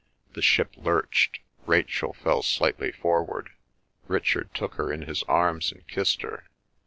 The ship lurched. Rachel fell slightly forward. Richard took her in his arms and kissed her.